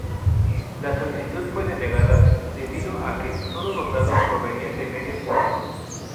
La solicitud fue denegada debido a que todos los datos provenían de medios públicos.